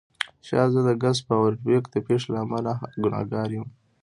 شاید زه د ګس فارویک د پیښې له امله ګناهګار یم